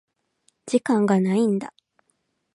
時間がないんだ。